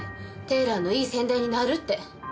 テーラーのいい宣伝になるって。